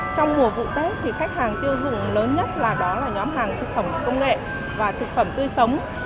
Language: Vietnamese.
trong mùa vụ tết khách hàng tiêu dùng lớn nhất là nhóm hàng thực phẩm công nghệ và thực phẩm tươi sống